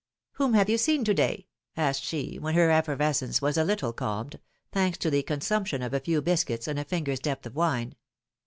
Whom have you seen to day?" asked she, when her effervescence was a little calmed — thanks to the consump tion of a few biscuits and a finger's depth of wine.